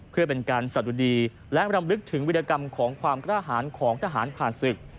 เพื่อเป็นการสะดุดีและรำลึกถึงวิรกรรมของความกล้าหารของทหารผ่านศึก